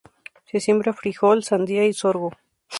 Se siembra frijol, sandía y sorgo.